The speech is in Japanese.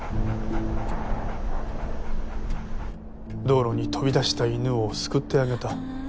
道路に飛び出した犬を救ってあげた。